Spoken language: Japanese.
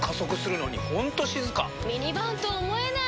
ミニバンと思えない！